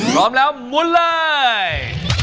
พร้อมแล้วมุนเลย